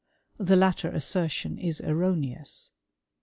The latter assertion is erroneous.